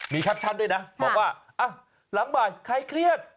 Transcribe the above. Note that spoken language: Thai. มีแคปชั่นด้วยนะบอกว่าหลังบ่ายใครเครียด